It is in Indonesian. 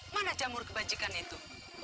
mana jamur kebajikan itu